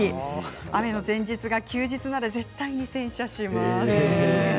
雨の前日は休日なら絶対に洗車します。